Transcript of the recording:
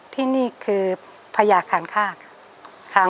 ที่นี่คือพญาคันฆาตค่ะ